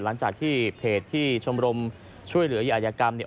หลังจากที่เพจที่ชมรมช่วยเหลือยากรรมเนี่ย